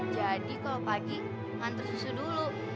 jadi kalau pagi ngantar susu dulu